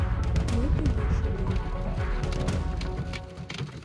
Мый тыге шонем.